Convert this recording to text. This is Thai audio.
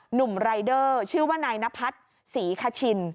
หนุ่มรายเดอร์ชื่อว่านายนพัฒน์ศรีคชิน